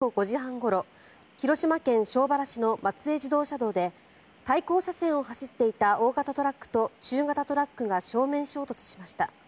警察と消防によりますと昨日午後５時半ごろ広島県庄原市の松江自動車道で対向車線を走っていた大型トラックと中型トラックが正面衝突しました。